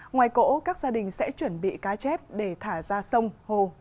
ngoài cỗ các gia đình sẽ chuẩn bị cá chép để thả ra sông hồ